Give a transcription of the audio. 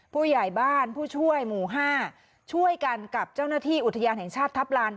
ผู้ใหญ่บ้านผู้ช่วยหมู่๕ช่วยกันกับเจ้าหน้าที่อุทยานแห่งชาติทัพลาน